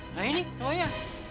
nah ini rumahnya